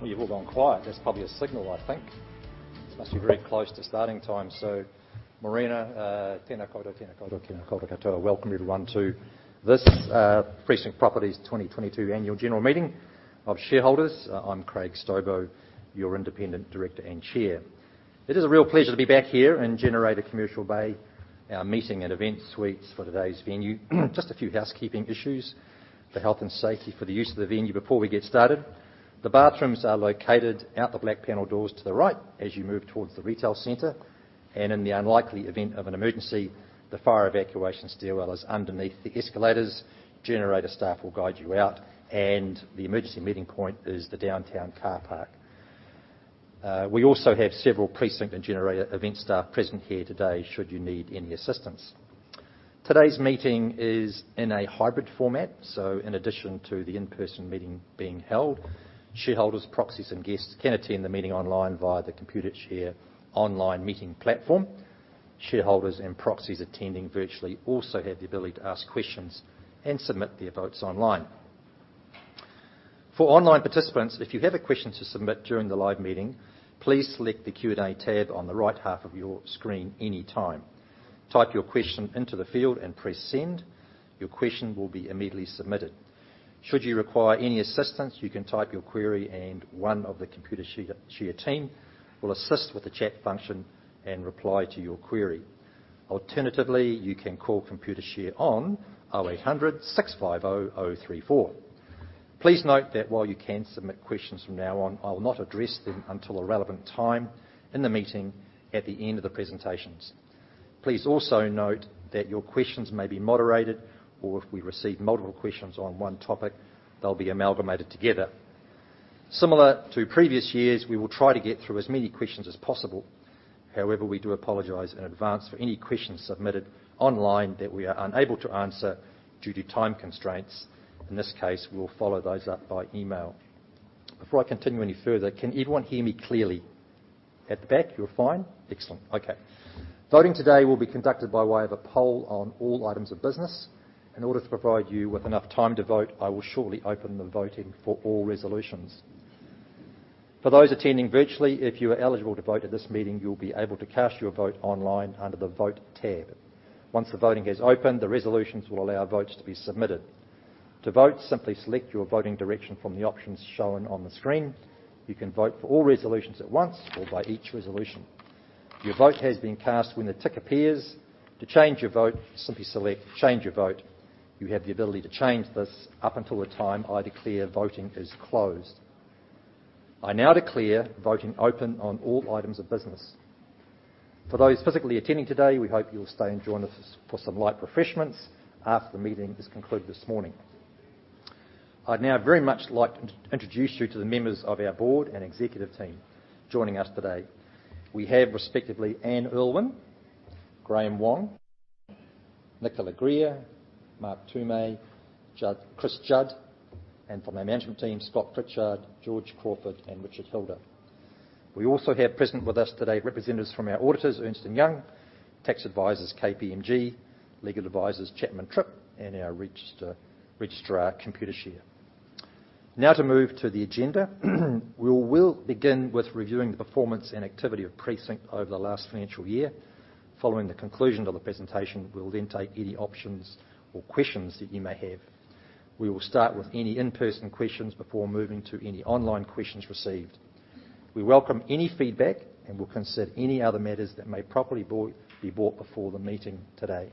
Well, you've all gone quiet. That's probably a signal, I think. Must be very close to starting time. Mōrena, tēnā koutou, tēnā koutou, tēnā koutou katoa. Welcome everyone to this, Precinct Properties 2022 annual general meeting of shareholders. I'm Craig Stobo, your Independent Director and Chair. It is a real pleasure to be back here in Generator Commercial Bay, our meeting and event suites for today's venue. Just a few housekeeping issues for health and safety for the use of the venue before we get started. The bathrooms are located out the black panel doors to the right as you move towards the retail center, and in the unlikely event of an emergency, the fire evacuation stairwell is underneath the escalators. Generator staff will guide you out, and the emergency meeting point is the downtown car park. We also have several Precinct and Generator event staff present here today should you need any assistance. Today's meeting is in a hybrid format, so in addition to the in-person meeting being held, shareholders, proxies, and guests can attend the meeting online via the Computershare online meeting platform. Shareholders and proxies attending virtually also have the ability to ask questions and submit their votes online. For online participants, if you have a question to submit during the live meeting, please select the Q&A tab on the right half of your screen anytime. Type your question into the field and press Send. Your question will be immediately submitted. Should you require any assistance, you can type your query, and one of the Computershare Share team will assist with the chat function and reply to your query. Alternatively, you can call Computershare on 0800-650-034. Please note that while you can submit questions from now on, I will not address them until a relevant time in the meeting at the end of the presentations. Please also note that your questions may be moderated or if we receive multiple questions on one topic, they'll be amalgamated together. Similar to previous years, we will try to get through as many questions as possible. However, we do apologize in advance for any questions submitted online that we are unable to answer due to time constraints. In this case, we'll follow those up by email. Before I continue any further, can everyone hear me clearly? At the back, you're fine? Excellent. Okay. Voting today will be conducted by way of a poll on all items of business. In order to provide you with enough time to vote, I will shortly open the voting for all resolutions. For those attending virtually, if you are eligible to vote at this meeting, you'll be able to cast your vote online under the Vote tab. Once the voting is open, the resolutions will allow votes to be submitted. To vote, simply select your voting direction from the options shown on the screen. You can vote for all resolutions at once or by each resolution. Your vote has been cast when the tick appears. To change your vote, simply select Change your Vote. You have the ability to change this up until the time I declare voting is closed. I now declare voting open on all items of business. For those physically attending today, we hope you'll stay and join us for some light refreshments after the meeting is concluded this morning. I'd now very much like to introduce you to the members of our board and executive team joining us today. We have respectively, Anne Urlwin, Graeme Wong, Nicola Greer, Mark Tume, Chris Judd, and from our management team, Scott Pritchard, George Crawford, and Richard Hilder. We also have present with us today representatives from our auditors, Ernst & Young, tax advisors, KPMG, legal advisors, Chapman Tripp, and our registrar, Computershare. Now to move to the agenda. We will begin with reviewing the performance and activity of Precinct over the last financial year. Following the conclusion of the presentation, we'll then take any options or questions that you may have. We will start with any in-person questions before moving to any online questions received. We welcome any feedback and will consider any other matters that may properly be brought before the meeting today.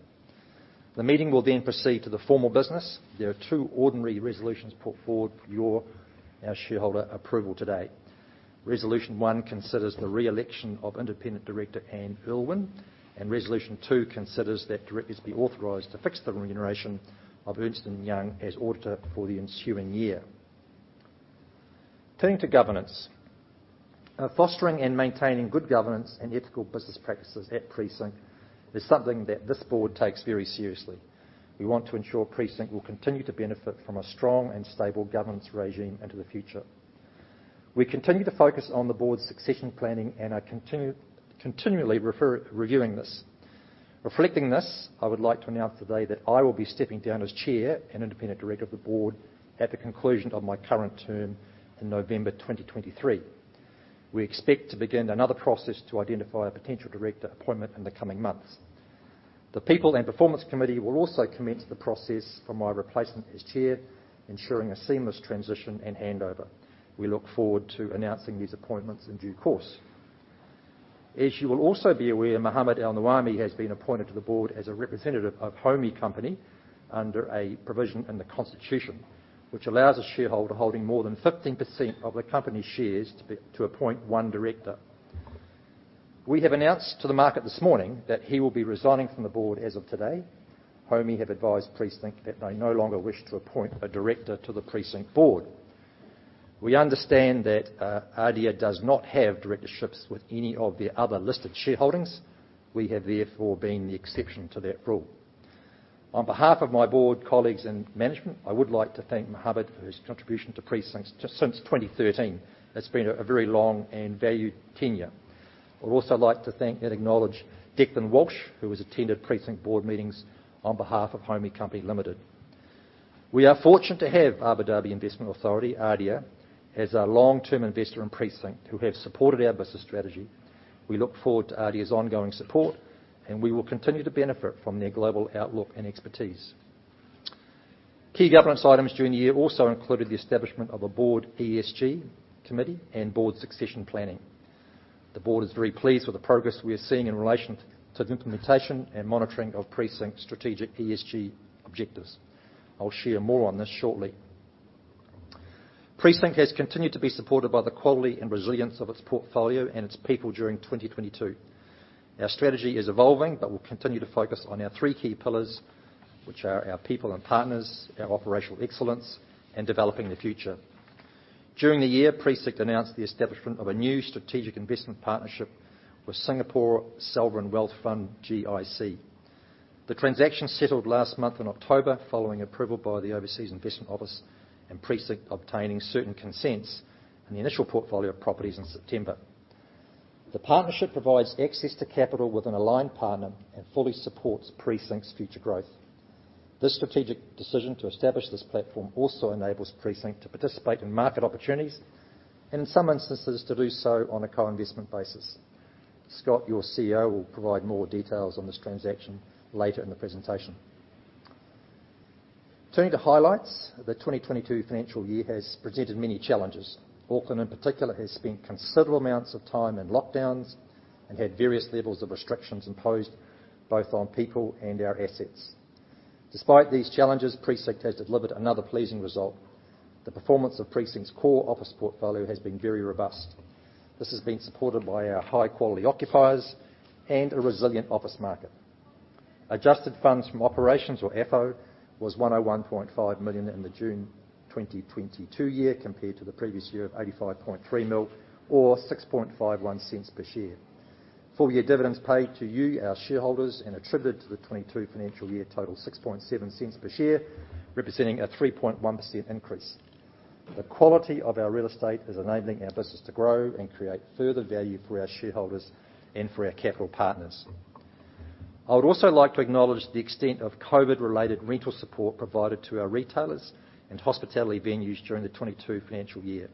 The meeting will then proceed to the formal business. There are two ordinary resolutions put forward for your, our shareholder approval today. Resolution one considers the re-election of independent director Anne Urlwin, and resolution two considers that directors be authorized to fix the remuneration of Ernst & Young as auditor for the ensuing year. Turning to governance. Fostering and maintaining good governance and ethical business practices at Precinct is something that this board takes very seriously. We want to ensure Precinct will continue to benefit from a strong and stable governance regime into the future. We continue to focus on the board's succession planning, and are continually reviewing this. Reflecting this, I would like to announce today that I will be stepping down as Chair and Independent Director of the board at the conclusion of my current term in November 2023. We expect to begin another process to identify a potential director appointment in the coming months. The people and performance committee will also commence the process for my replacement as chair, ensuring a seamless transition and handover. We look forward to announcing these appointments in due course. As you will also be aware, Mohammed Alnuaimi has been appointed to the board as a representative of Haumi Company Limited under a provision in the Constitution, which allows a shareholder holding more than 15% of the company's shares to appoint one director. We have announced to the market this morning that he will be resigning from the board as of today. Haumi Company Limited have advised Precinct that they no longer wish to appoint a director to the Precinct board. We understand that ADIA does not have directorships with any of their other listed shareholdings. We have therefore been the exception to that rule. On behalf of my board colleagues and management, I would like to Mohammed Alnuaimi for his contribution to Precinct since 2013. It's been a very long and valued tenure. I'd also like to thank and acknowledge Declan Walsh, who has attended Precinct board meetings on behalf of Haumi Company Limited. We are fortunate to have Abu Dhabi Investment Authority, ADIA, as our long-term investor in Precinct who have supported our business strategy. We look forward to ADIA's ongoing support, and we will continue to benefit from their global outlook and expertise. Key governance items during the year also included the establishment of a board ESG committee and board succession planning. The board is very pleased with the progress we are seeing in relation to the implementation and monitoring of Precinct's strategic ESG objectives. I'll share more on this shortly. Precinct has continued to be supported by the quality and resilience of its portfolio and its people during 2022. Our strategy is evolving, but we'll continue to focus on our three key pillars, which are our people and partners, our operational excellence, and developing the future. During the year, Precinct announced the establishment of a new strategic investment partnership with Singapore's sovereign wealth fund, GIC. The transaction settled last month in October following approval by the Overseas Investment Office and Precinct obtaining certain consents in the initial portfolio of properties in September. The partnership provides access to capital with an aligned partner and fully supports Precinct's future growth. This strategic decision to establish this platform also enables Precinct to participate in market opportunities and in some instances to do so on a co-investment basis. Scott, your CEO, will provide more details on this transaction later in the presentation. Turning to highlights, the 2022 financial year has presented many challenges. Auckland in particular has spent considerable amounts of time in lockdowns and had various levels of restrictions imposed both on people and our assets. Despite these challenges, Precinct has delivered another pleasing result. The performance of Precinct's core office portfolio has been very robust. This has been supported by our high-quality occupiers and a resilient office market. Adjusted funds from operations or FFO was 101.5 million in the June 2022 year compared to the previous year of 85.3 million or 0.0651 per share. Full-year dividends paid to you, our shareholders, and attributed to the 2022 financial year total 0.067 per share, representing a 3.1% increase. The quality of our real estate is enabling our business to grow and create further value for our shareholders and for our capital partners. I would also like to acknowledge the extent of COVID-related rental support provided to our retailers and hospitality venues during the 2022 financial year.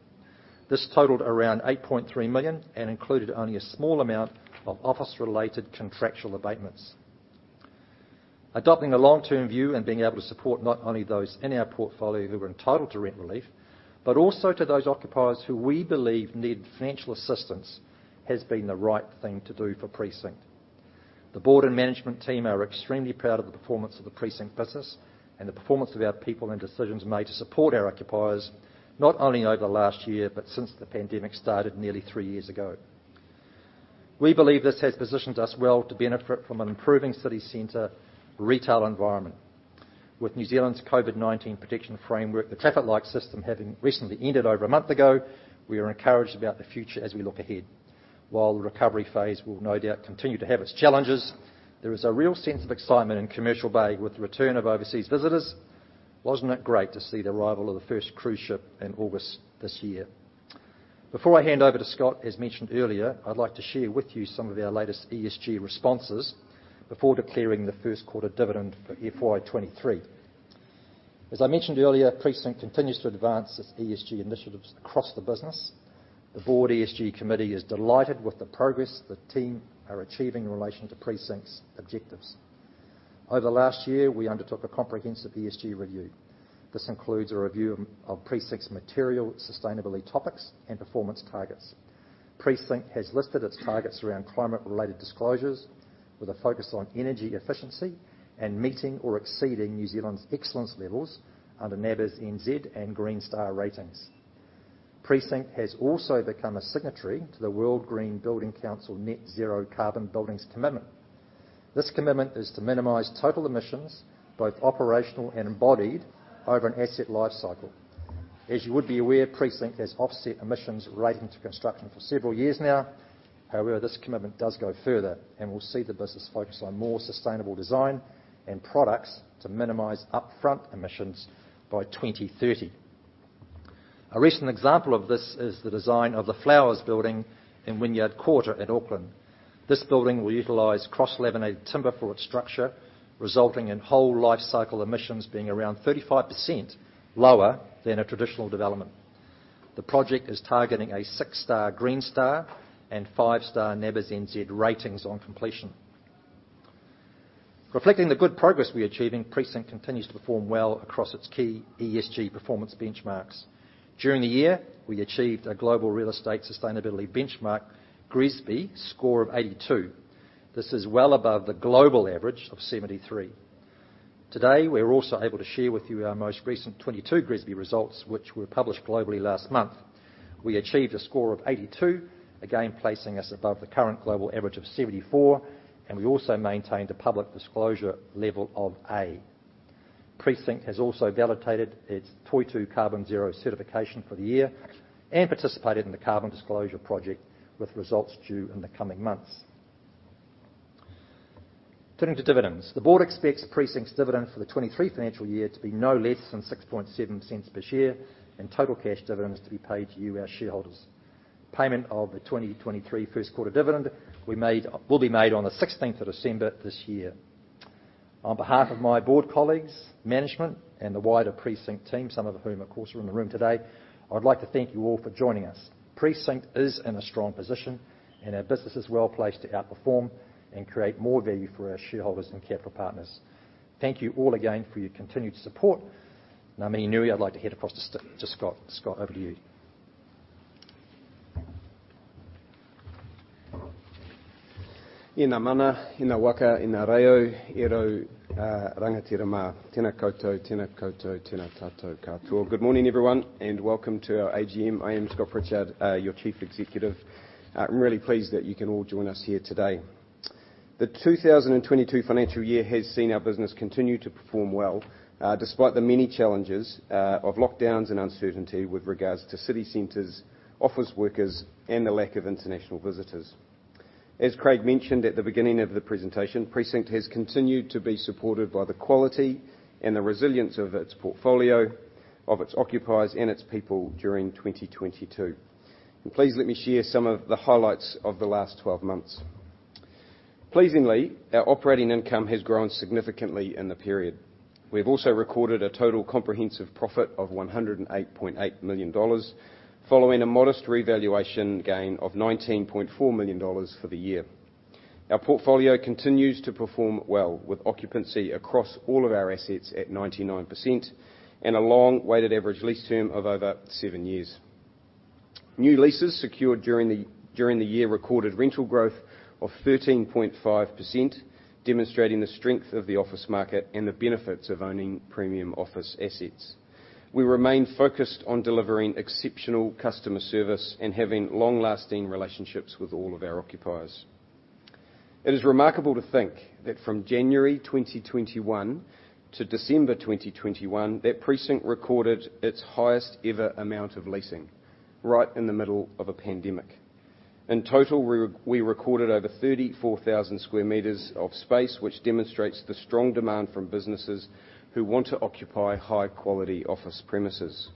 This totaled around 8.3 million and included only a small amount of office-related contractual abatements. Adopting a long-term view and being able to support not only those in our portfolio who were entitled to rent relief, but also to those occupiers who we believe needed financial assistance, has been the right thing to do for Precinct. The board and management team are extremely proud of the performance of the Precinct business and the performance of our people and decisions made to support our occupiers, not only over the last year, but since the pandemic started nearly three years ago. We believe this has positioned us well to benefit from an improving city center retail environment. With New Zealand's COVID-19 protection framework, the traffic light system, having recently ended over a month ago, we are encouraged about the future as we look ahead. While the recovery phase will no doubt continue to have its challenges, there is a real sense of excitement in Commercial Bay with the return of overseas visitors. Wasn't it great to see the arrival of the first cruise ship in August this year? Before I hand over to Scott, as mentioned earlier, I'd like to share with you some of our latest ESG responses before declaring the first quarter dividend for FY 2023. As I mentioned earlier, Precinct continues to advance its ESG initiatives across the business. The board ESG committee is delighted with the progress the team are achieving in relation to Precinct's objectives. Over the last year, we undertook a comprehensive ESG review. This includes a review of Precinct's material sustainability topics and performance targets. Precinct has listed its targets around climate-related disclosures with a focus on energy efficiency and meeting or exceeding New Zealand's excellence levels under NABERSNZ and Green Star ratings. Precinct has also become a signatory to the World Green Building Council Net Zero Carbon Buildings Commitment. This commitment is to minimize total emissions, both operational and embodied, over an asset life cycle. As you would be aware, Precinct has offset emissions relating to construction for several years now. However, this commitment does go further and will see the business focus on more sustainable design and products to minimize upfront emissions by 2030. A recent example of this is the design of the Flowers building in Wynyard Quarter, Auckland. This building will utilize cross-laminated timber for its structure, resulting in whole lifecycle emissions being around 35% lower than a traditional development. The project is targeting a six-star Green Star and five-star NABERSNZ ratings on completion. Reflecting the good progress we're achieving, Precinct continues to perform well across its key ESG performance benchmarks. During the year, we achieved a Global Real Estate Sustainability Benchmark, GRESB, score of 82. This is well above the global average of 73. Today, we're also able to share with you our most recent 2022 GRESB results, which were published globally last month. We achieved a score of 82, again placing us above the current global average of 74, and we also maintained a public disclosure level of A. Precinct has also validated its Toitū net carbonzero certification for the year and participated in the Carbon Disclosure Project with results due in the coming months. Turning to dividends, the board expects Precinct's dividend for the 2023 financial year to be no less than 0.067 per share, and total cash dividends to be paid to you, our shareholders. Payment of the 2023 first quarter dividend we made will be made on the 16th of December this year. On behalf of my board colleagues, management, and the wider Precinct team, some of whom of course are in the room today, I would like to thank you all for joining us. Precinct is in a strong position, and our business is well-placed to outperform and create more value for our shareholders and capital partners. Thank you all again for your continued support. Ngā mihi nui, I'd like to hand across to Scott. Scott, over to you. Good morning, everyone, and welcome to our AGM. I am Scott Pritchard, your Chief Executive. I'm really pleased that you can all join us here today. The 2022 financial year has seen our business continue to perform well, despite the many challenges of lockdowns and uncertainty with regards to city centers, office workers, and the lack of international visitors. As Craig mentioned at the beginning of the presentation, Precinct has continued to be supported by the quality and the resilience of its portfolio, of its occupiers, and its people during 2022. Please let me share some of the highlights of the last 12 months. Pleasingly, our operating income has grown significantly in the period. We have also recorded a total comprehensive profit of 108.8 million dollars following a modest revaluation gain of 19.4 million dollars for the year. Our portfolio continues to perform well with occupancy across all of our assets at 99% and a long weighted average lease term of over seven years. New leases secured during the year recorded rental growth of 13.5%, demonstrating the strength of the office market and the benefits of owning premium office assets. We remain focused on delivering exceptional customer service and having long-lasting relationships with all of our occupiers. It is remarkable to think that from January 2021-December 2021, that Precinct recorded its highest ever amount of leasing right in the middle of a pandemic. In total, we recorded over 34,000 sq m of space, which demonstrates the strong demand from businesses who want to occupy high-quality office premises.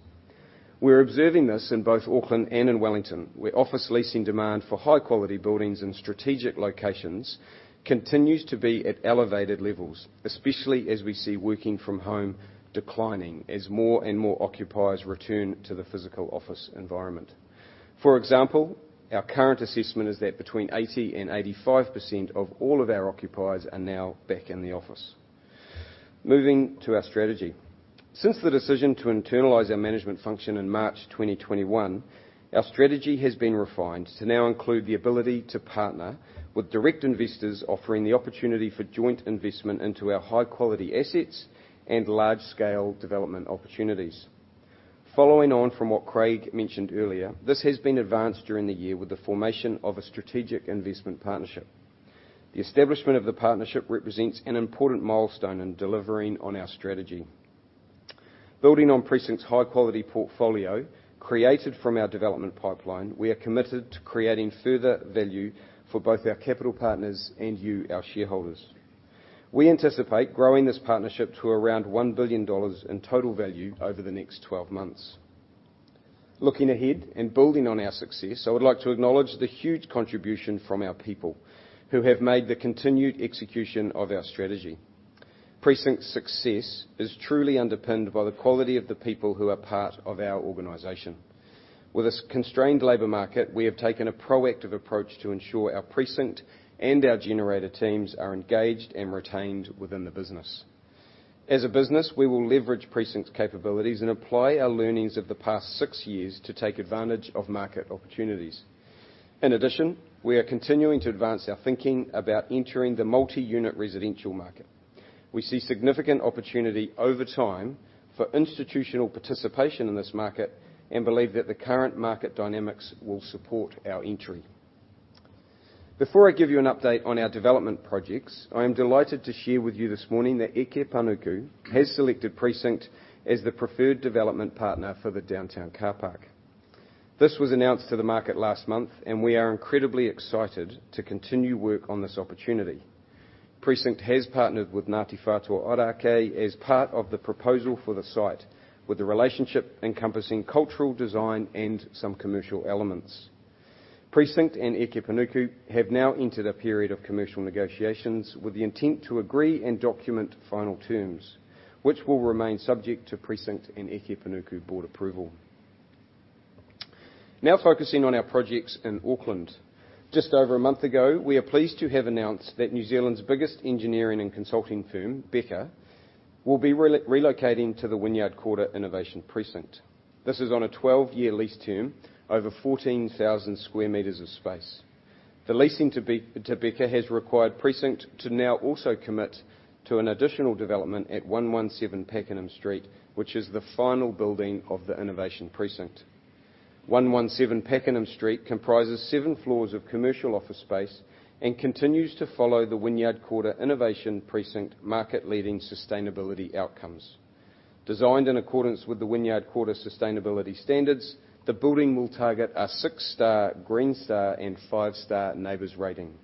We're observing this in both Auckland and in Wellington, where office leasing demand for high-quality buildings and strategic locations continues to be at elevated levels, especially as we see working from home declining as more and more occupiers return to the physical office environment. For example, our current assessment is that between 80% and 85% of all of our occupiers are now back in the office. Moving to our strategy. Since the decision to internalize our management function in March 2021, our strategy has been refined to now include the ability to partner with direct investors offering the opportunity for joint investment into our high-quality assets and large-scale development opportunities. Following on from what Craig mentioned earlier, this has been advanced during the year with the formation of a strategic investment partnership. The establishment of the partnership represents an important milestone in delivering on our strategy. Building on Precinct's high-quality portfolio created from our development pipeline, we are committed to creating further value for both our capital partners and you, our shareholders. We anticipate growing this partnership to around 1 billion dollars in total value over the next 12 months. Looking ahead and building on our success, I would like to acknowledge the huge contribution from our people who have made the continued execution of our strategy. Precinct's success is truly underpinned by the quality of the people who are part of our organization. With this constrained labor market, we have taken a proactive approach to ensure our Precinct and our Generator teams are engaged and retained within the business. As a business, we will leverage Precinct's capabilities and apply our learnings of the past six years to take advantage of market opportunities. In addition, we are continuing to advance our thinking about entering the multi-unit residential market. We see significant opportunity over time for institutional participation in this market and believe that the current market dynamics will support our entry. Before I give you an update on our development projects, I am delighted to share with you this morning that Eke Panuku has selected Precinct as the preferred development partner for the downtown car park. This was announced to the market last month, and we are incredibly excited to continue work on this opportunity. Precinct has partnered with Ngāti Whātua Ōrākei as part of the proposal for the site, with the relationship encompassing cultural design and some commercial elements. Precinct and Eke Panuku have now entered a period of commercial negotiations with the intent to agree and document final terms, which will remain subject to Precinct and Eke Panuku board approval. Now focusing on our projects in Auckland. Just over a month ago, we are pleased to have announced that New Zealand's biggest engineering and consulting firm, Beca, will be relocating to the Wynyard Quarter Innovation Precinct. This is on a 12-year lease term over 14,000 sq m of space. The leasing to Beca has required Precinct to now also commit to an additional development at 117 Pakenham Street, which is the final building of the innovation precinct. 117 Pakenham Street comprises seven floors of commercial office space and continues to follow the Wynyard Quarter Innovation Precinct market-leading sustainability outcomes. Designed in accordance with the Wynyard Quarter Sustainability Standards, the building will target a six-star Green Star and five-star NABERS rating.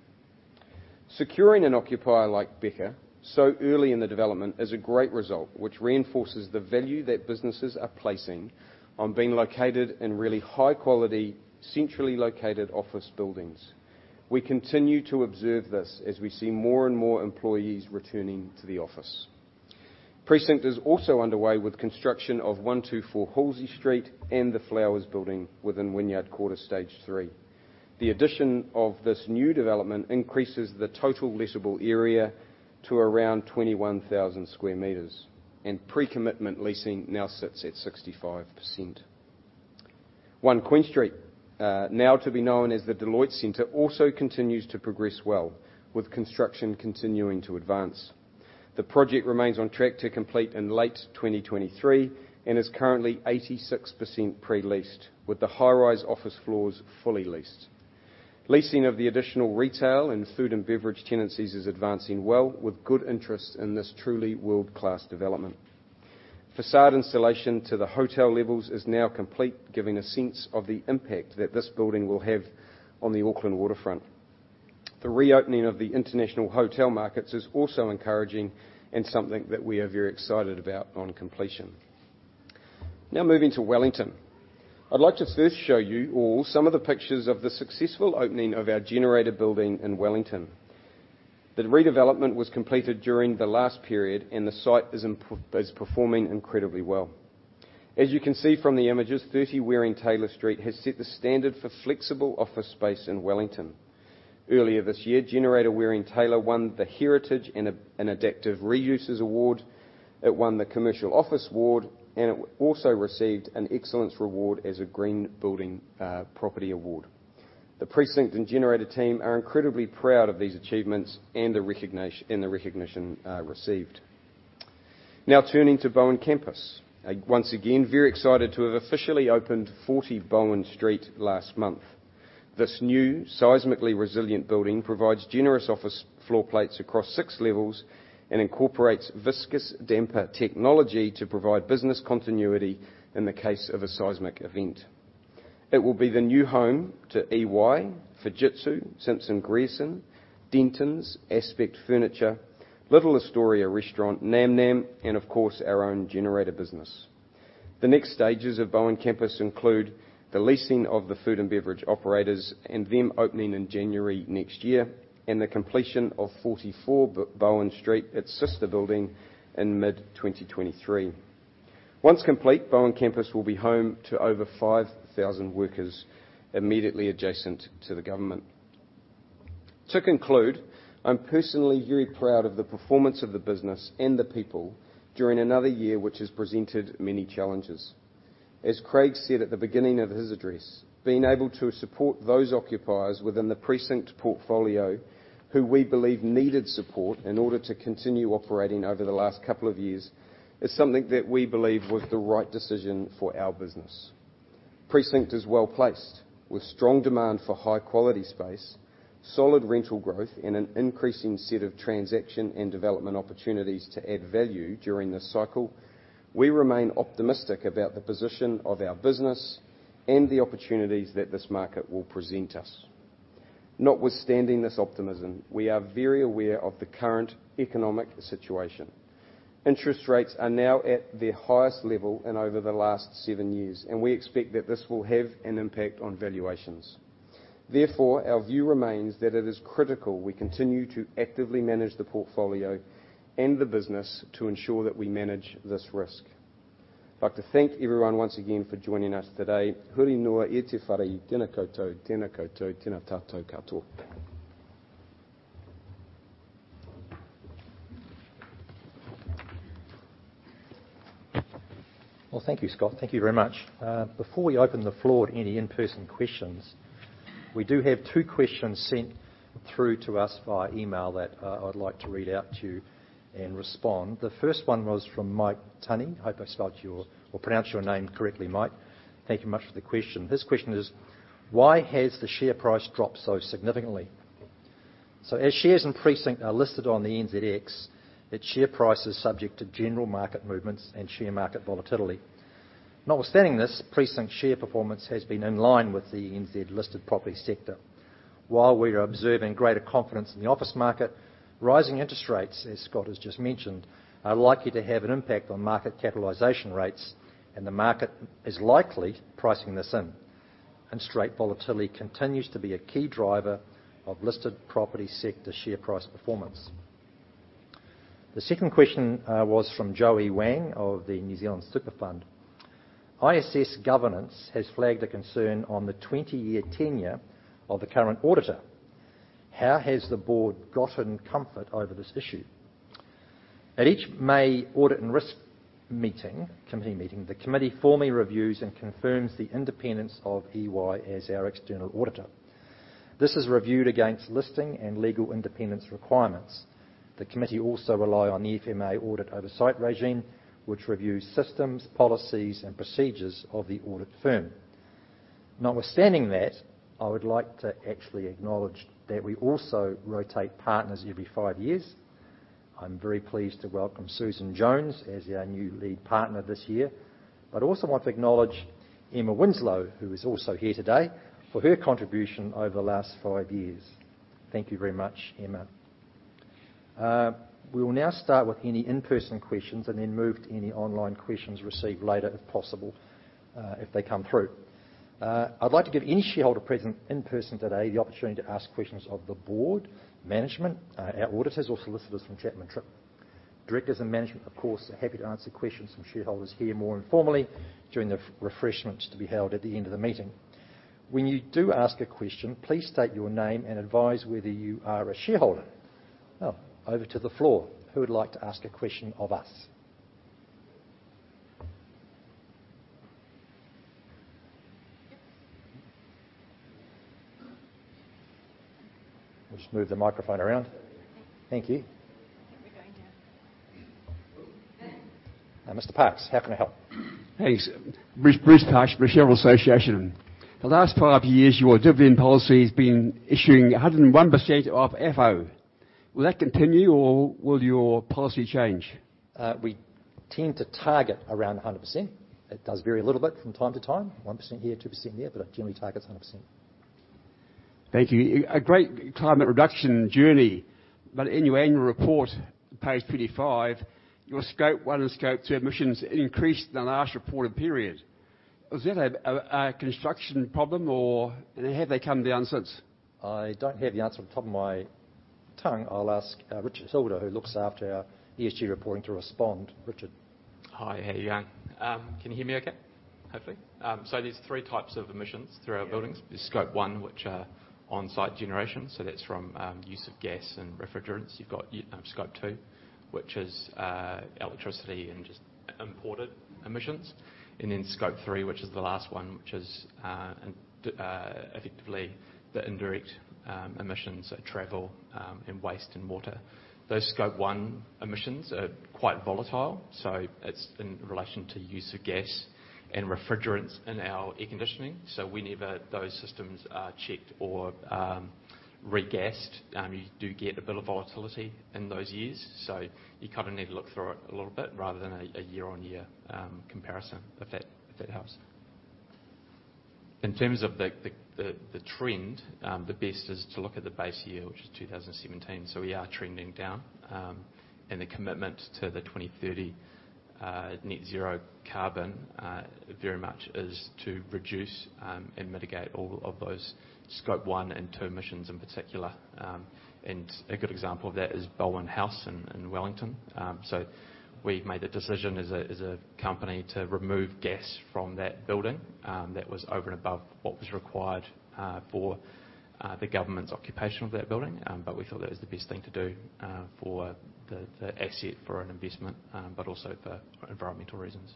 Securing an occupier like Beca so early in the development is a great result, which reinforces the value that businesses are placing on being located in really high quality, centrally located office buildings. We continue to observe this as we see more and more employees returning to the office. Precinct is also underway with construction of 124 Halsey Street and the Flowers building within Wynyard Quarter Stage Three. The addition of this new development increases the total lettable area to around 21,000 sq m, and pre-commitment leasing now sits at 65%. One Queen Street, now to be known as the Deloitte Center, also continues to progress well, with construction continuing to advance. The project remains on track to complete in late 2023 and is currently 86% pre-leased, with the high rise office floors fully leased. Leasing of the additional retail and food and beverage tenancies is advancing well, with good interest in this truly world-class development. Facade installation to the hotel levels is now complete, giving a sense of the impact that this building will have on the Auckland waterfront. The reopening of the international hotel markets is also encouraging and something that we are very excited about on completion. Now moving to Wellington. I'd like to first show you all some of the pictures of the successful opening of our Generator building in Wellington. The redevelopment was completed during the last period, and the site is performing incredibly well. As you can see from the images, 30 Waring Taylor Street has set the standard for flexible office space in Wellington. Earlier this year, Generator Waring Taylor won the Heritage and Adaptive Reuse award. It won the Commercial Office award, and it also received an Excellence award as a green building, property award. The Precinct and Generator team are incredibly proud of these achievements and the recognition received. Now turning to Bowen Campus. Once again, very excited to have officially opened 40 Bowen Street last month. This new seismically resilient building provides generous office floor plates across six levels and incorporates viscous damper technology to provide business continuity in the case of a seismic event. It will be the new home to EY, Fujitsu, Simpson Grierson, Dentons, Aspect Furniture, Little Astoria Restaurant, Nam Nam and, of course, our own Generator business. The next stages of Bowen Campus include the leasing of the food and beverage operators and them opening in January next year, and the completion of 44 Bowen Street, its sister building, in mid-2023. Once complete, Bowen Campus will be home to over 5,000 workers immediately adjacent to the government. To conclude, I'm personally very proud of the performance of the business and the people during another year which has presented many challenges. As Craig said at the beginning of his address, being able to support those occupiers within the Precinct portfolio who we believe needed support in order to continue operating over the last couple of years, is something that we believe was the right decision for our business. Precinct is well-placed with strong demand for high-quality space, solid rental growth and an increasing set of transaction and development opportunities to add value during this cycle. We remain optimistic about the position of our business and the opportunities that this market will present us. Notwithstanding this optimism, we are very aware of the current economic situation. Interest rates are now at their highest level in over the last seven years, and we expect that this will have an impact on valuations. Therefore, our view remains that it is critical we continue to actively manage the portfolio and the business to ensure that we manage this risk. I'd like to thank everyone once again for joining us today. Well, thank you, Scott. Thank you very much. Before we open the floor to any in-person questions, we do have two questions sent through to us via email that I would like to read out to you and respond. The first one was from Mike Tunney. Hope I spelled your or pronounced your name correctly, Mike. Thank you much for the question. His question is, "Why has the share price dropped so significantly?" As shares in Precinct are listed on the NZX, its share price is subject to general market movements and share market volatility. Notwithstanding this, Precinct share performance has been in line with the NZ-listed property sector. While we're observing greater confidence in the office market, rising interest rates, as Scott has just mentioned, are likely to have an impact on market capitalization rates, and the market is likely pricing this in. Straight volatility continues to be a key driver of listed property sector share price performance. The second question was from Joey Wang of the New Zealand Superannuation Fund: "ISS Governance has flagged a concern on the 20-year tenure of the current auditor. How has the board gotten comfort over this issue?" At each May audit and risk meeting, committee meeting, the committee formally reviews and confirms the independence of EY as our external auditor. This is reviewed against listing and legal independence requirements. The committee also rely on the FMA audit oversight regime, which reviews systems, policies and procedures of the audit firm. Notwithstanding that, I would like to actually acknowledge that we also rotate partners every five years. I'm very pleased to welcome Susan Jones as our new lead partner this year. I also want to acknowledge Emma Winsloe, who is also here today, for her contribution over the last five years. Thank you very much, Emma. We will now start with any in-person questions and then move to any online questions received later, if possible, if they come through. I'd like to give any shareholder present in person today the opportunity to ask questions of the board, management, our auditors or solicitors from Chapman Tripp. Directors and management, of course, are happy to answer questions from shareholders here more informally during the refreshments to be held at the end of the meeting. When you do ask a question, please state your name and advise whether you are a shareholder. Now, over to the floor. Who would like to ask a question of us? We'll just move the microphone around. Thank you. Thank you. I think we're going here. Mr. Parkes, how can I help? Thanks. Bruce Parkes from the New Zealand Shareholders' Association. For the last five years, your dividend policy has been issuing 101% of FFO. Will that continue, or will your policy change? We tend to target around 100%. It does vary a little bit from time to time, 1% here, 2% there, but it generally targets 100%. Thank you. A great climate reduction journey. In your annual report, page 25, your scope one and scope two emissions increased in the last reported period. Is that a construction problem, or have they come down since? I don't have the answer off the top of my tongue. I'll ask, Richard Hilder, who looks after our ESG reporting, to respond. Richard. Hi. How are you going? Can you hear me okay? Hopefully. There's three types of emissions through our buildings. Yeah. There's scope one, which are on-site generation. That's from use of gas and refrigerants. You've got scope two, which is electricity and just imported emissions. Then scope three, which is the last one, which is effectively the indirect emissions, so travel and waste and water. Those scope one emissions are quite volatile, so it's in relation to use of gas and refrigerants in our air conditioning. Whenever those systems are checked or re-gassed, you do get a bit of volatility in those years. You kind of need to look through it a little bit rather than a year-on-year comparison, if that helps. In terms of the trend, the best is to look at the base year, which is 2017. We are trending down, and the commitment to the 2030 net zero carbon very much is to reduce and mitigate all of those scope one and two emissions in particular. A good example of that is Bowen House in Wellington. We've made the decision as a company to remove gas from that building, that was over and above what was required for the government's occupation of that building. We thought that was the best thing to do for the asset, for an investment, but also for environmental reasons.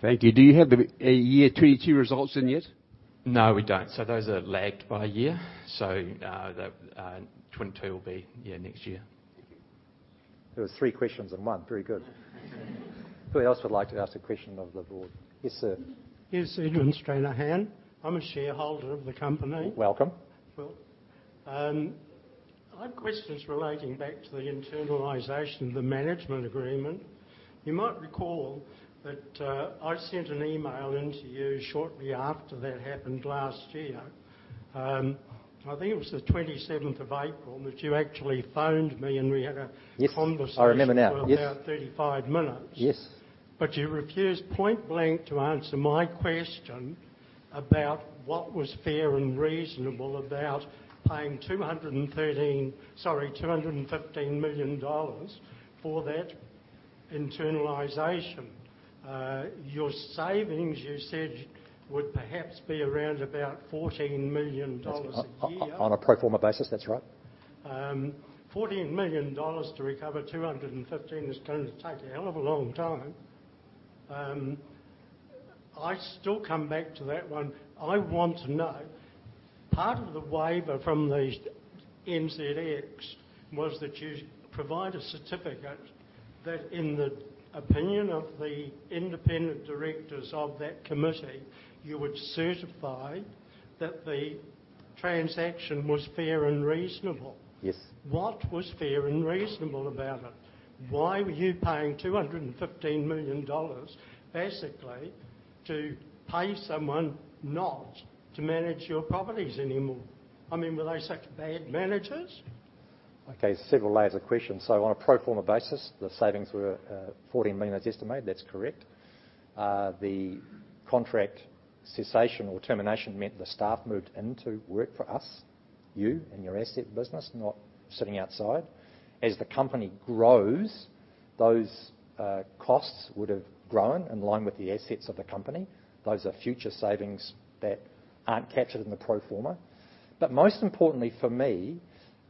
Thank you. Do you have the 2022 results in yet? No, we don't. Those are lagged by a year. The 2022 will be, yeah, next year. Thank you. That was three questions in one. Very good. Anybody else would like to ask a question of the board? Yes, sir. Yes. Edmund Stranahan. I'm a shareholder of the company. Welcome. Welcome. I have questions relating back to the internalization of the management agreement. You might recall that, I sent an email in to you shortly after that happened last year. I think it was the twenty-seventh of April that you actually phoned me. Yes... conversation- I remember now. Yes. for about 35 minutes. Yes. You refused point-blank to answer my question about what was fair and reasonable about paying 215 million dollars for that internalization. Your savings, you said, would perhaps be around about 14 million dollars a year. On a pro forma basis, that's right. 14 million dollars to recover 215 million is going to take a hell of a long time. I still come back to that one. I want to know, part of the waiver from the NZX was that you provide a certificate that in the opinion of the independent directors of that committee, you would certify that the transaction was fair and reasonable. Yes. What was fair and reasonable about it? Why were you paying 215 million dollars basically to pay someone not to manage your properties anymore? I mean, were they such bad managers? Okay, several layers of questions. On a pro forma basis, the savings were 14 million, it's estimated. That's correct. The contract cessation or termination meant the staff moved in to work for us, you and your asset business, not sitting outside. As the company grows, those costs would have grown in line with the assets of the company. Those are future savings that aren't captured in the pro forma. Most importantly for me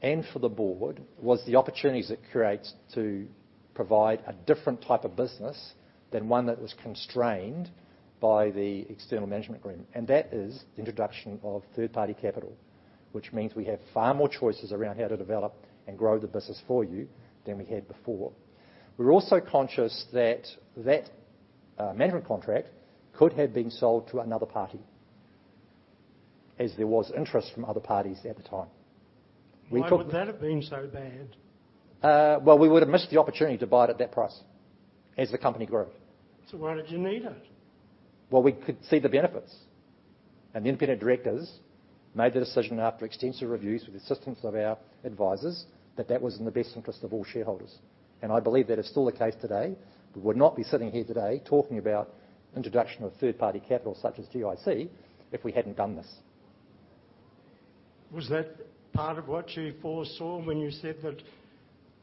and for the board was the opportunities it creates to provide a different type of business than one that was constrained by the external management agreement. That is the introduction of third-party capital, which means we have far more choices around how to develop and grow the business for you than we had before. We're also conscious that management contract could have been sold to another party, as there was interest from other parties at the time. We took- Why would that have been so bad? Well, we would have missed the opportunity to buy it at that price as the company grew. Why did you need it? Well, we could see the benefits, and the independent directors made the decision after extensive reviews with the assistance of our advisors, that that was in the best interest of all shareholders. I believe that is still the case today. We would not be sitting here today talking about introduction of third-party capital such as GIC if we hadn't done this. Was that part of what you foresaw when you said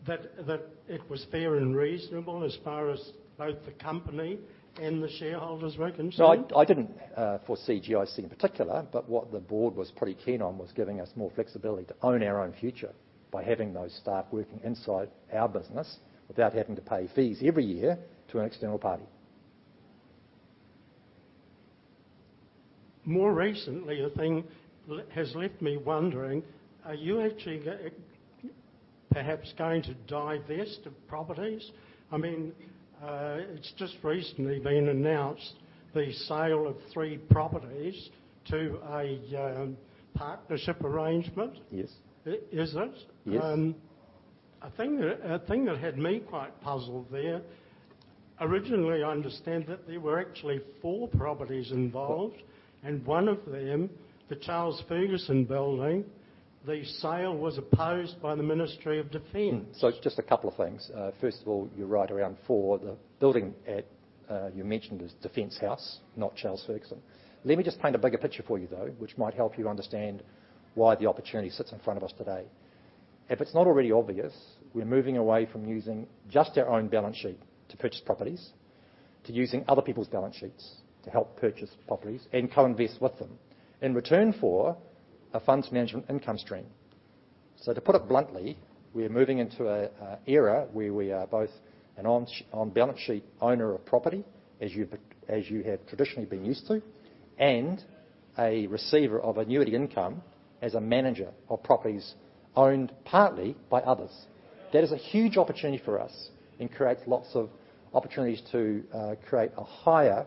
that it was fair and reasonable as far as both the company and the shareholders were concerned? No, I didn't foresee GIC in particular, but what the board was pretty keen on was giving us more flexibility to own our own future by having those staff working inside our business without having to pay fees every year to an external party. More recently, has left me wondering, are you actually perhaps going to divest of properties? I mean, it's just recently been announced the sale of three properties to a partnership arrangement. Yes. Is it? Yes. A thing that had me quite puzzled there, originally, I understand that there were actually four properties involved, and one of them, the Charles Fergusson Building, the sale was opposed by the Ministry of Defence. Just a couple of things. First of all, you're right around four. The building you mentioned is Defence House, not Charles Fergusson. Let me just paint a bigger picture for you, though, which might help you understand why the opportunity sits in front of us today. If it's not already obvious, we're moving away from using just our own balance sheet to purchase properties to using other people's balance sheets to help purchase properties and co-invest with them in return for a funds management income stream. To put it bluntly, we're moving into a era where we are both an on-balance-sheet owner of property as you have traditionally been used to, and a receiver of annuity income as a manager of properties owned partly by others. That is a huge opportunity for us and creates lots of opportunities to create a higher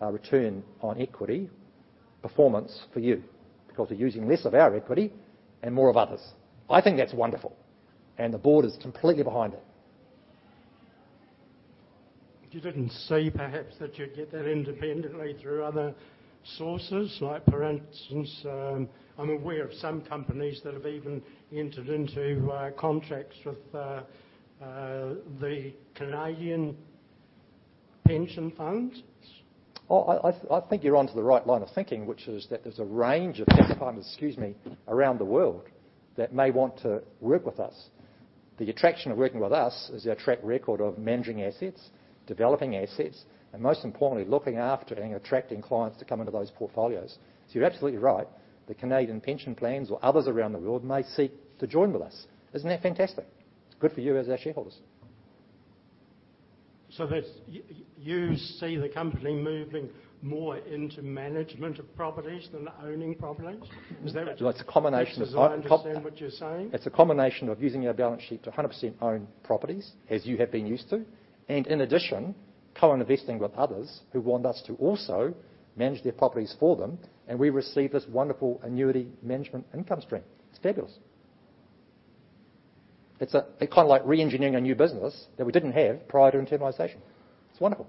return on equity performance for you because we're using less of our equity and more of others. I think that's wonderful, and the board is completely behind it. You didn't see perhaps that you'd get that independently through other sources? Like for instance, I'm aware of some companies that have even entered into the Canadian pension funds. Oh, I think you're onto the right line of thinking, which is that there's a range of pension funds, excuse me, around the world that may want to work with us. The attraction of working with us is our track record of managing assets, developing assets, and most importantly, looking after and attracting clients to come into those portfolios. You're absolutely right, the Canadian pension plans or others around the world may seek to join with us. Isn't that fantastic? It's good for you as our shareholders. You see the company moving more into management of properties than owning properties? Is that- It's a combination of. As I understand what you're saying? It's a combination of using our balance sheet to 100% own properties as you have been used to, and in addition, co-investing with others who want us to also manage their properties for them, and we receive this wonderful annuity management income stream. It's fabulous. It's kind of like re-engineering a new business that we didn't have prior to internalization. It's wonderful.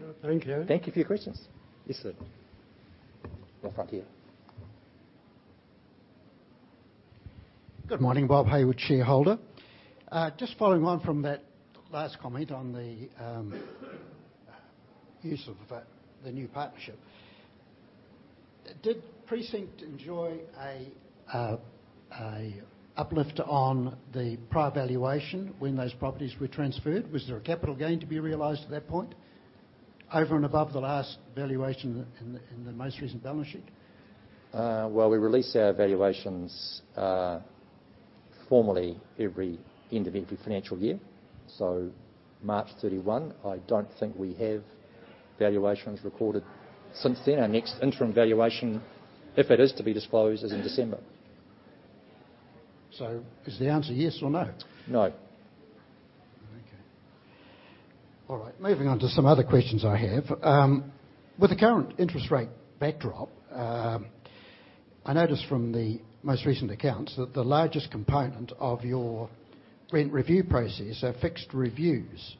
Well, thank you. Thank you for your questions. Yes, sir. The front here. Good morning, Bob Haywood, Shareholder. Just following on from that last comment on the use of the new partnership. Did Precinct enjoy a uplift on the prior valuation when those properties were transferred? Was there a capital gain to be realized at that point over and above the last valuation in the most recent balance sheet? Well, we release our valuations formally every end of every financial year, so March 31. I don't think we have valuations recorded since then. Our next interim valuation, if it is to be disclosed, is in December. Is the answer yes or no? No. Okay. All right, moving on to some other questions I have. With the current interest rate backdrop, I notice from the most recent accounts that the largest component of your rent review process are fixed reviews,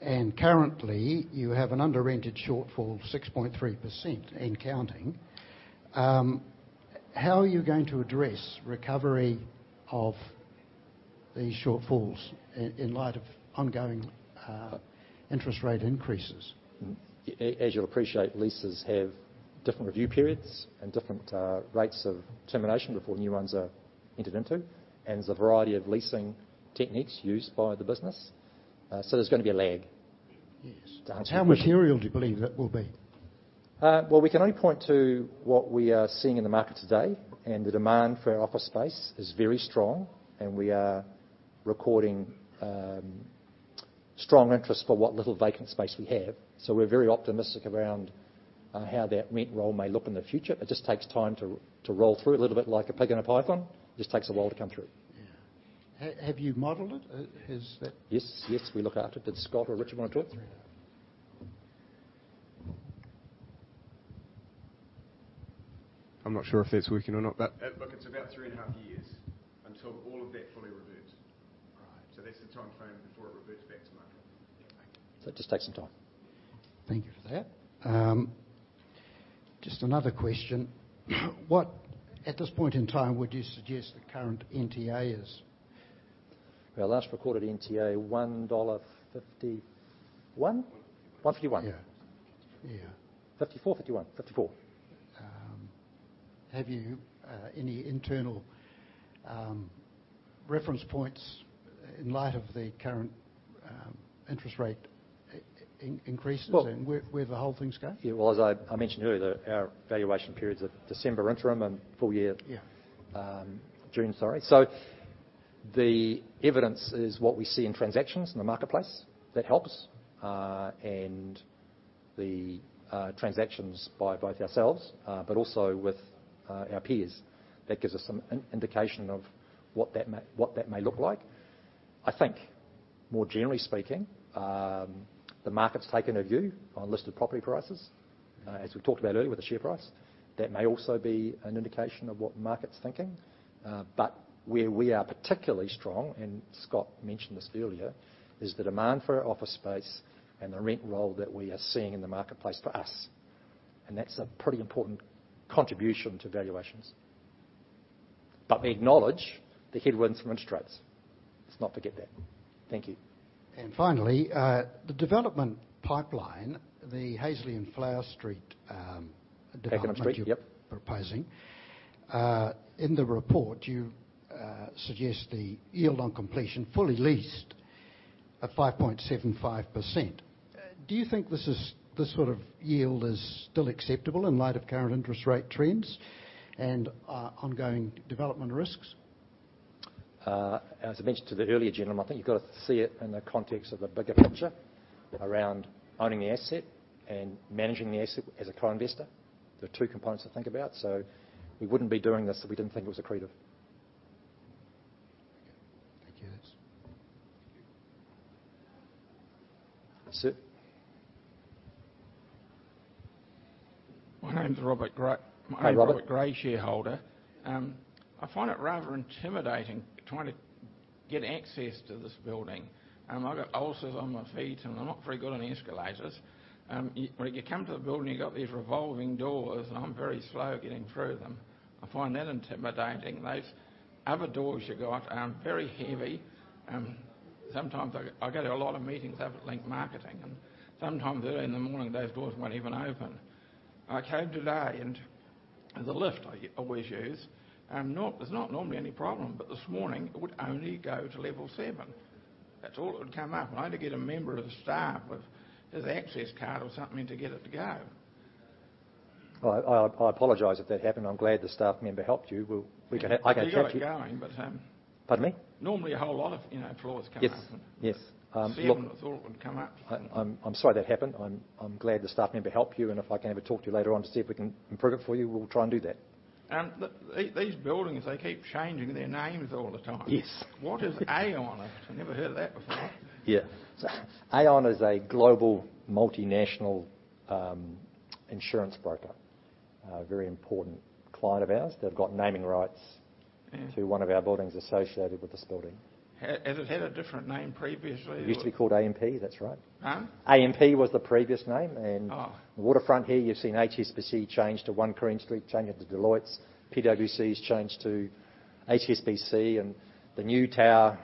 and currently you have an under-rented shortfall of 6.3% and counting. How are you going to address recovery of these shortfalls in light of ongoing interest rate increases? As you'll appreciate, leases have different review periods and different rates of termination before new ones are entered into, and there's a variety of leasing techniques used by the business. So there's gonna be a lag. Yes. To answer your question. How material do you believe that will be? Well, we can only point to what we are seeing in the market today, and the demand for our office space is very strong, and we are recording strong interest for what little vacant space we have. We're very optimistic around how that rent roll may look in the future. It just takes time to roll through, a little bit like a pig in a python. Just takes a while to come through. Yeah. Have you modeled it? Has that- Yes. Yes, we look at it. Did Scott or Richard wanna talk? I'm not sure if that's working or not. Look, it's about three and a half years until all of that fully reverts. Right. That's the timeframe before it reverts back to market. Yeah, thank you. It just takes some time. Thank you for that. Just another question. What at this point in time would you suggest the current NTA is? Our last recorded NTA, 1.51 dollar? NZD 1.51. 1.51. Yeah. Yeah. 54, 51? 54. Have you any internal reference points in light of the current interest rate increases? Well- Where the whole thing's going? Well, as I mentioned earlier, our valuation periods are December interim and full year. Yeah. June, sorry. The evidence is what we see in transactions in the marketplace. That helps. The transactions by both ourselves, but also with our peers. That gives us some indication of what that may look like. I think more generally speaking, the market's taken a view on listed property prices, as we've talked about earlier with the share price. That may also be an indication of what the market's thinking. Where we are particularly strong, and Scott mentioned this earlier, is the demand for our office space and the rent roll that we are seeing in the marketplace for us, and that's a pretty important contribution to valuations. We acknowledge the headwinds from interest rates. Let's not forget that. Thank you. Finally, the development pipeline, the Halsey and Flowers Street development. Halsey Street. Yep. You're proposing. In the report, you suggest the yield on completion fully leased at 5.75%. Do you think this is, this sort of yield is still acceptable in light of current interest rate trends and ongoing development risks? As I mentioned to the earlier gentleman, I think you've got to see it in the context of the bigger picture around owning the asset and managing the asset as a co-investor. There are two components to think about. We wouldn't be doing this if we didn't think it was accretive. Okay. Thank you. That's it. My name's Robert Gray. Hey, Robert. My name's Robert Gray, shareholder. I find it rather intimidating trying to get access to this building. I've got ulcers on my feet, and I'm not very good on escalators. When you come to the building, you've got these revolving doors, and I'm very slow getting through them. I find that intimidating. Those other doors you got are very heavy. Sometimes I go to a lot of meetings up at Link Market Services, and sometimes early in the morning those doors won't even open. I came today, and the lift I always use, there's not normally any problem, but this morning it would only go to level seven. That's all it would come up. I had to get a member of staff with his access card or something to get it to go. Well, I apologize if that happened. I'm glad the staff member helped you. I can check it. He got it going, but. Pardon me? Normally a whole lot of, you know, floors come up. Yes. Yes. Seven was all it would come up. I'm sorry that happened. I'm glad the staff member helped you, and if I can have a talk to you later on to see if we can improve it for you, we'll try and do that. These buildings, they keep changing their names all the time. Yes. What is Aon? I've never heard of that before. Aon is a global multinational insurance broker. A very important client of ours. They've got naming rights. Yeah. To one of our buildings associated with this building. Has it had a different name previously? It used to be called AMP, that's right. Huh? AMP was the previous name. Oh. The waterfront here, you've seen HSBC change to One Queen Street, change into Deloitte's. PwC's changed to HSBC, and the new tower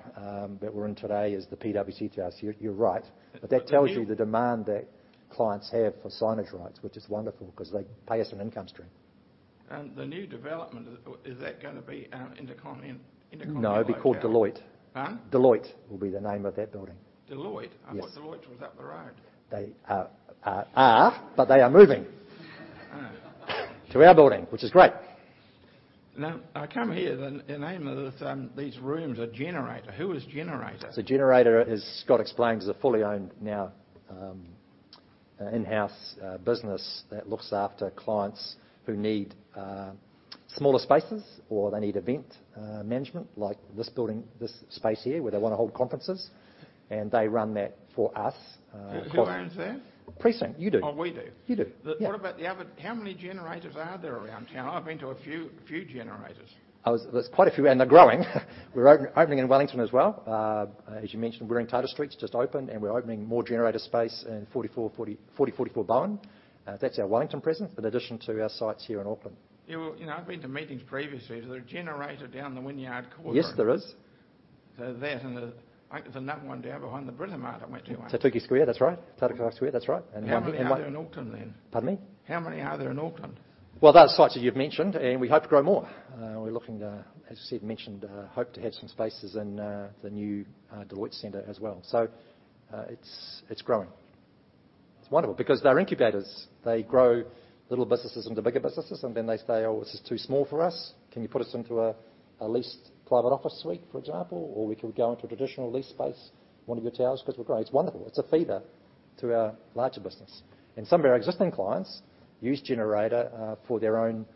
that we're in today is the PwC Tower. You're right. But the new- That tells you the demand that clients have for signage rights, which is wonderful 'cause they pay us an income stream. The new development, is that gonna be? [inaudible] No, it'll be called Deloitte. Huh? Deloitte will be the name of that building. Deloitte? Yes. I thought Deloitte was up the road. They are, but they are moving. Oh. To our building, which is great. Now, I come here, the name of this, these rooms are Generator. Who is Generator? Generator, as Scott explained, is a fully owned now in-house business that looks after clients who need smaller spaces or they need event management like this building, this space here, where they wanna hold conferences, and they run that for us. Who owns that? Precinct. You do. Oh, we do. You do. Yeah. How many Generators are there around town? I've been to a few Generators. Oh, there's quite a few, and they're growing. We're opening in Wellington as well. As you mentioned, we're in Taylor Street, it's just opened, and we're opening more Generator space in 44 Bowen. That's our Wellington presence in addition to our sites here in Auckland. Yeah, well, you know, I've been to meetings previously. Is there a Generator down the Wynyard Quarter? Yes, there is. I think there's another one down behind the Britomart I went to once. Takutai Square, that's right. How many are there in Auckland, then? Pardon me? How many are there in Auckland? Well, those sites that you've mentioned, and we hope to grow more. We're looking to, as you said, hope to have some spaces in the new Deloitte center as well. It's growing. It's wonderful because they're incubators. They grow little businesses into bigger businesses, and then they say, "Oh, this is too small for us. Can you put us into a leased private office suite?" For example, or we can go into a traditional lease space, one of your towers because we're growing. It's wonderful. It's a feeder to our larger business. Some of our existing clients use Generator for their own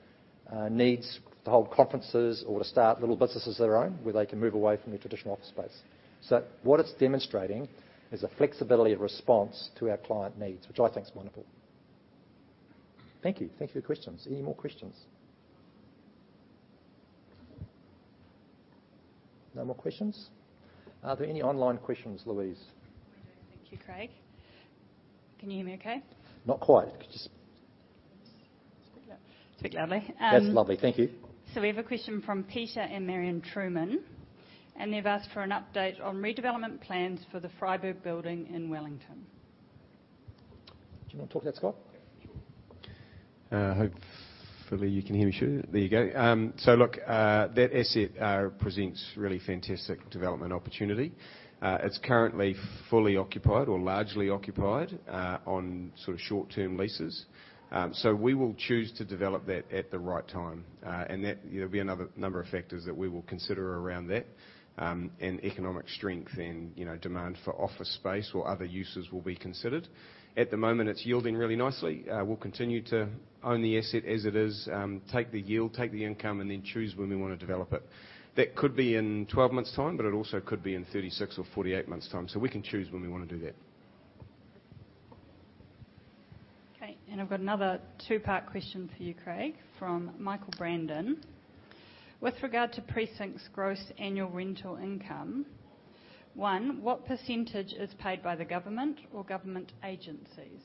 needs to hold conferences or to start little businesses of their own, where they can move away from your traditional office space. What it's demonstrating is a flexibility of response to our client needs, which I think is wonderful. Thank you. Thank you for your questions. Any more questions? No more questions? Are there any online questions, Louise? Thank you, Craig. Can you hear me okay? Not quite. Could you just. Speak louder. That's lovely. Thank you. We have a question from Peter and Marion Truman, and they've asked for an update on redevelopment plans for the Freyberg Building in Wellington. Do you wanna talk to that, Scott? Yeah, sure. Hopefully you can hear me too. There you go. That asset presents really fantastic development opportunity. It's currently fully occupied or largely occupied on sort of short-term leases. We will choose to develop that at the right time. There'll be a number of factors that we will consider around that, and economic strength and, you know, demand for office space or other uses will be considered. At the moment, it's yielding really nicely. We'll continue to own the asset as it is, take the yield, take the income, and then choose when we wanna develop it. That could be in 12 months' time, but it also could be in 36 or 48 months' time. We can choose when we wanna do that. Okay. I've got another two-part question for you, Craig, from Michael Brandon: With regard to Precinct's gross annual rental income, one, what percentage is paid by the government or government agencies?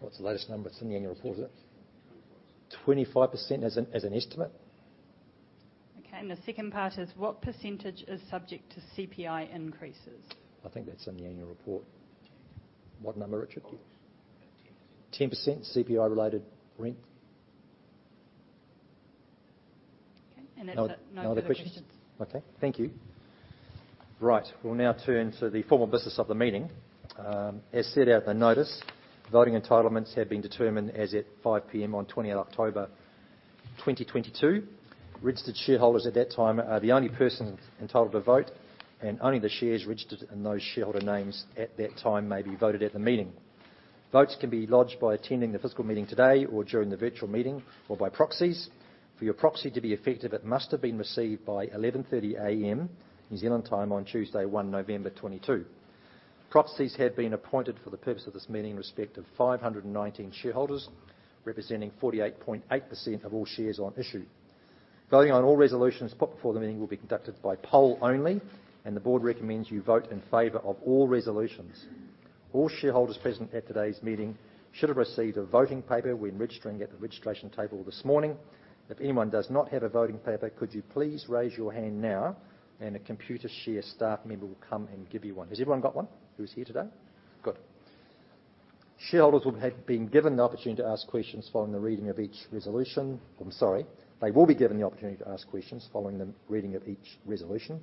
What's the latest number? It's in the annual report, is it? 25% as an estimate. Okay. The second part is what percentage is subject to CPI increases? I think that's in the annual report. What number, Richard? Yes. About 10%. 10% CPI-related rent. Okay. That's that. No further questions. No other questions? Okay. Thank you. Right. We'll now turn to the formal business of the meeting. As set out in the notice, voting entitlements have been determined as at 5:00 P.M. on 20 October 2022. Registered shareholders at that time are the only person entitled to vote, and only the shares registered in those shareholder names at that time may be voted at the meeting. Votes can be lodged by attending the physical meeting today or during the virtual meeting or by proxies. For your proxy to be effective, it must have been received by 11:30 A.M. New Zealand Time on Tuesday, 1 November 2022. Proxies have been appointed for the purpose of this meeting in respect of 519 shareholders, representing 48.8% of all shares on issue. Voting on all resolutions put before the meeting will be conducted by poll only, and the board recommends you vote in favor of all resolutions. All shareholders present at today's meeting should have received a voting paper when registering at the registration table this morning. If anyone does not have a voting paper, could you please raise your hand now and a Computershare staff member will come and give you one. Has everyone got one who's here today? Good. Shareholders will have been given the opportunity to ask questions following the reading of each resolution. I'm sorry. They will be given the opportunity to ask questions following the reading of each resolution.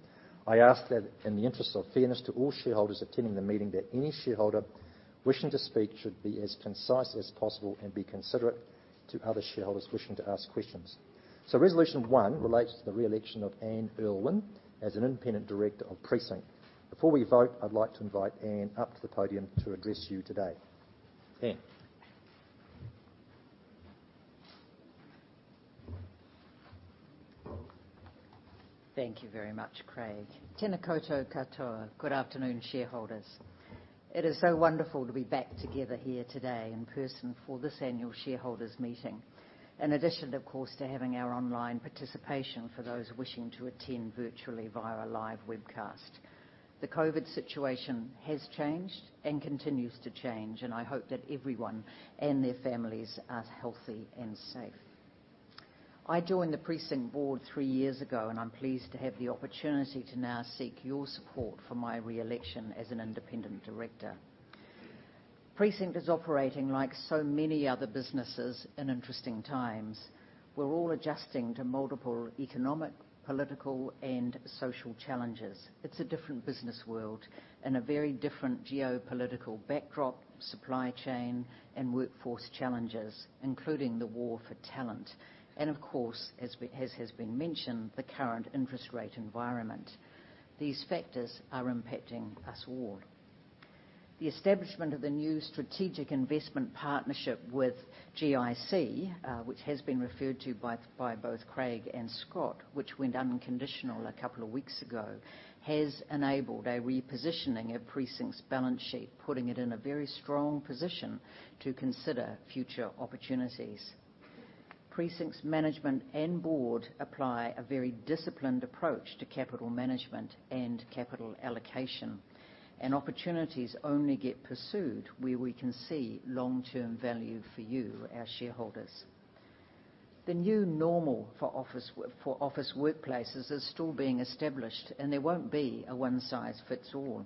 I ask that in the interest of fairness to all shareholders attending the meeting that any shareholder wishing to speak should be as concise as possible and be considerate to other shareholders wishing to ask questions. Resolution one relates to the re-election of Anne Urlwin as an independent director of Precinct. Before we vote, I'd like to invite Anne up to the podium to address you today. Anne. Thank you very much, Craig. Good afternoon, shareholders. It is so wonderful to be back together here today in person for this annual shareholders' meeting. In addition, of course, to having our online participation for those wishing to attend virtually via live webcast. The COVID situation has changed and continues to change, and I hope that everyone and their families are healthy and safe. I joined the Precinct board three years ago, and I'm pleased to have the opportunity to now seek your support for my re-election as an Independent Director. Precinct is operating like so many other businesses in interesting times. We're all adjusting to multiple economic, political, and social challenges. It's a different business world and a very different geopolitical backdrop, supply chain, and workforce challenges, including the war for talent and of course, as has been mentioned, the current interest rate environment. These factors are impacting us all. The establishment of the new strategic investment partnership with GIC, which has been referred to by both Craig and Scott, which went unconditional a couple of weeks ago, has enabled a repositioning of Precinct's balance sheet, putting it in a very strong position to consider future opportunities. Precinct's management and board apply a very disciplined approach to capital management and capital allocation, and opportunities only get pursued where we can see long-term value for you, our shareholders. The new normal for office workplaces is still being established, and there won't be a one-size-fits-all.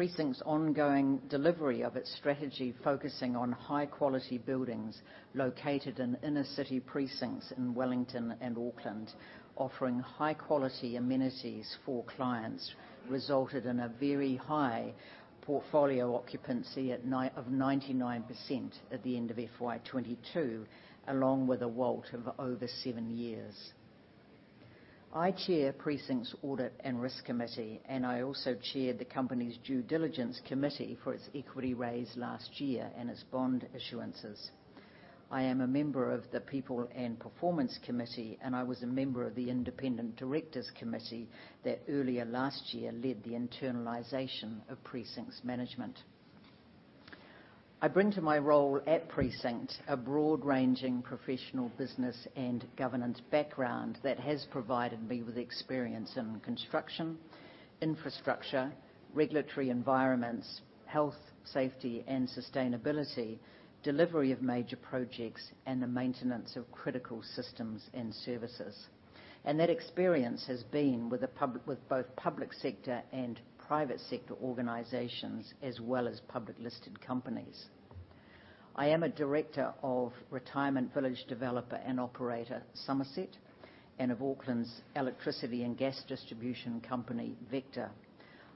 Precinct's ongoing delivery of its strategy focusing on high-quality buildings located in inner city precincts in Wellington and Auckland, offering high-quality amenities for clients, resulted in a very high portfolio occupancy of 99% at the end of FY 2022, along with a WALT of over seven years. I chair Precinct's Audit and Risk Committee, and I also chair the company's Due Diligence Committee for its equity raise last year and its bond issuances. I am a member of the People and Performance Committee, and I was a member of the Independent Directors Committee that earlier last year led the internalization of Precinct's management. I bring to my role at Precinct a broad-ranging professional business and governance background that has provided me with experience in construction, infrastructure, regulatory environments, health, safety and sustainability, delivery of major projects, and the maintenance of critical systems and services. That experience has been with both public sector and private sector organizations, as well as public listed companies. I am a director of retirement village developer and operator, Summerset, and of Auckland's electricity and gas distribution company, Vector.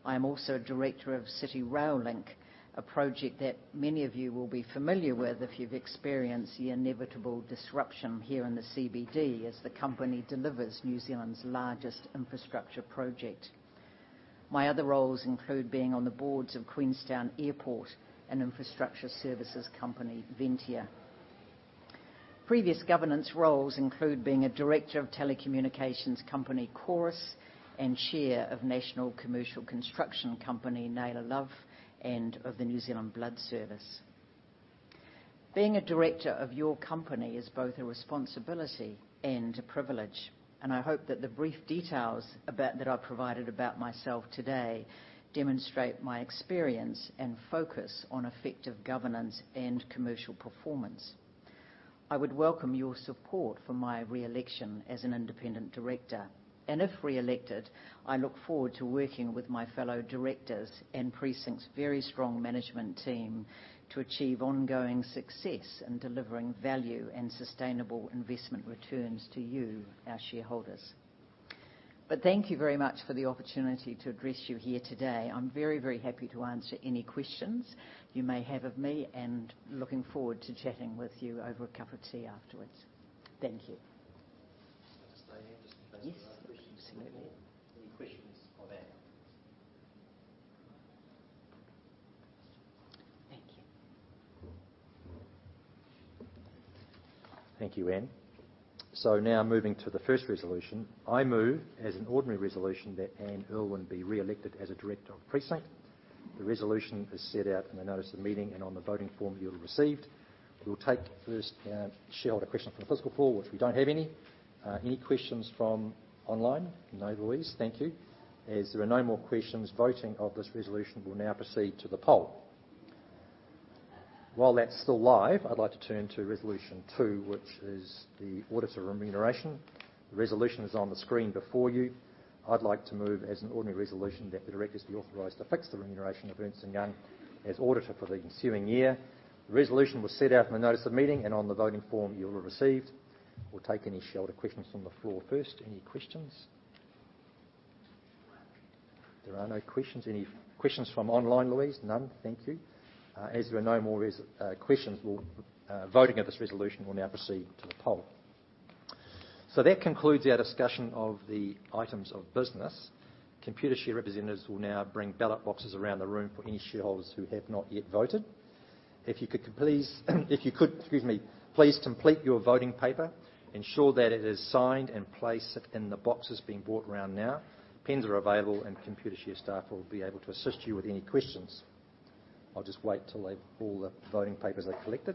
I am also a director of City Rail Link, a project that many of you will be familiar with if you've experienced the inevitable disruption here in the CBD as the company delivers New Zealand's largest infrastructure project. My other roles include being on the boards of Queenstown Airport and infrastructure services company, Ventia. Previous governance roles include being a director of telecommunications company, Chorus, and chair of national commercial construction company, Naylor Love, and of the New Zealand Blood Service. Being a director of your company is both a responsibility and a privilege, and I hope that the brief details that I've provided about myself today demonstrate my experience and focus on effective governance and commercial performance. I would welcome your support for my re-election as an Independent Director. If re-elected, I look forward to working with my fellow directors and Precinct's very strong management team to achieve ongoing success in delivering value and sustainable investment returns to you, our shareholders. Thank you very much for the opportunity to address you here today. I'm very, very happy to answer any questions you may have of me, and looking forward to chatting with you over a cup of tea afterwards. Thank you. Stay here just in case. Yes. Absolutely. Any questions for Anne? Thank you. Thank you, Anne. Now moving to the first resolution. I move as an ordinary resolution that Anne Urlwin be re-elected as a Director of Precinct. The resolution is set out in the notice of the meeting and on the voting form you'll have received. We'll take first our shareholder questions from the physical floor, which we don't have any. Any questions from online? No, Louise. Thank you. As there are no more questions, voting of this resolution will now proceed to the poll. While that's still live, I'd like to turn to resolution two, which is the auditor remuneration. The resolution is on the screen before you. I'd like to move as an ordinary resolution that the directors be authorized to fix the remuneration of Ernst & Young as auditor for the ensuing year. The resolution was set out in the notice of meeting and on the voting form you'll have received. We'll take any shareholder questions from the floor first. Any questions? There are no questions. Any questions from online, Louise? None. Thank you. As there are no more questions, voting of this resolution will now proceed to the poll. That concludes our discussion of the items of business. Computershare representatives will now bring ballot boxes around the room for any shareholders who have not yet voted. If you could please complete your voting paper, ensure that it is signed, and place it in the boxes being brought around now. Pens are available, and Computershare staff will be able to assist you with any questions. I'll just wait till all the voting papers are collected.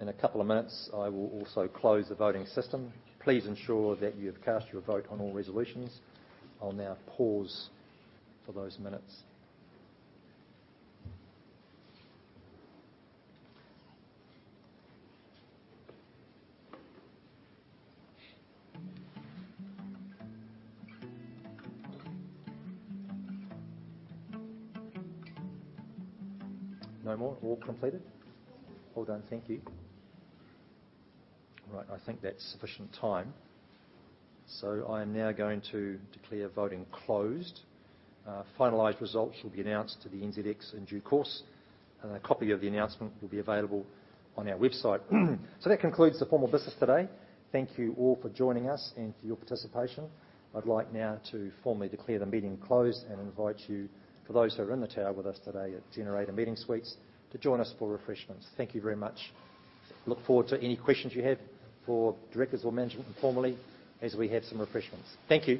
In a couple of minutes, I will also close the voting system. Please ensure that you have cast your vote on all resolutions. I'll now pause for those minutes. No more? All completed? Well done. Thank you. All right. I think that's sufficient time. I am now going to declare voting closed. Finalized results will be announced to the NZX in due course, and a copy of the announcement will be available on our website. That concludes the formal business today. Thank you all for joining us and for your participation. I'd like now to formally declare the meeting closed and invite you, for those who are in the tower with us today at Generator Meeting Suites, to join us for refreshments. Thank you very much. Look forward to any questions you have for directors or management informally as we have some refreshments. Thank you.